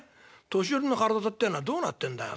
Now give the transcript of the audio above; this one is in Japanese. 年寄りの体ってえのはどうなってんだい